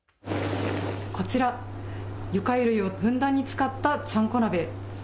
こちら魚介類をふんだんに使ったちゃんこ鍋。